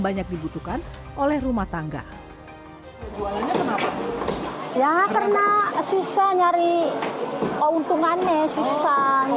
banyak dibutuhkan oleh rumah tangga jualannya kenapa ya karena susah nyari keuntungannya susah